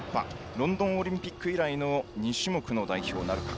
ロンドンオリンピック以来の２種目の代表なるか。